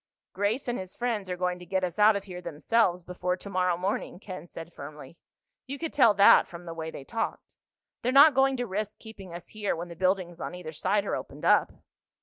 "Grace and his friends are going to get us out of here themselves before tomorrow morning," Ken said firmly. "You could tell that from the way they talked. They're not going to risk keeping us here when the buildings on either side are opened up."